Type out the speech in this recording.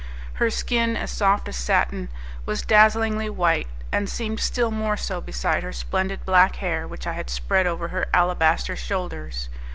Her skin, as soft as satin, was dazzlingly white, and seemed still more so beside her splendid black hair which I had spread over her alabaster shoulders.